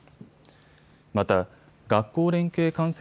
また学校連携観戦